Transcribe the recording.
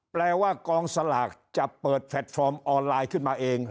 แปลว่ากองสลากจะเปิดแพลตฟอร์มออนไลน์ขึ้นมาเอง